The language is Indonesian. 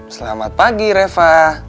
selamat pagi reva